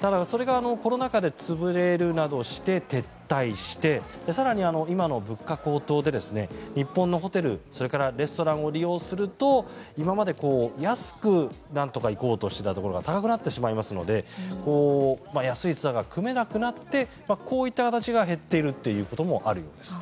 ただ、それがコロナ禍で潰れるなどして撤退して更に、今の物価高騰で日本のホテルそれからレストランを利用すると今まで、なんとか安く行こうとしていたところが高くなってしまいますので安いツアーが組めなくなってこういった形が減っているということもあるようです。